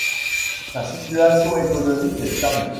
Sa situation économique est stable.